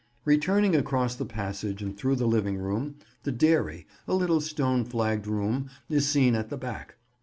Returning across the passage and through the living room, the dairy, a little stone flagged room is seen at the back.